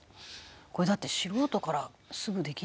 「これだって素人からすぐできないでしょ」